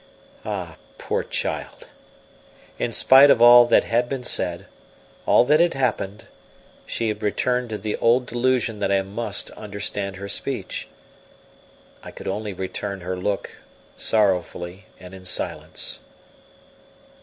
Ah, poor child! in spite of all that had been said, all that had happened, she had returned to the old delusion that I must understand her speech. I could only return her look, sorrowfully and in silence.